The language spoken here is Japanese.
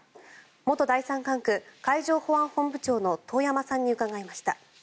元第三管区海上保安本部長の遠山さんに伺いました。